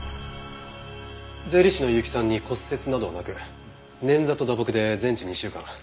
税理士の結城さんに骨折などはなく捻挫と打撲で全治２週間。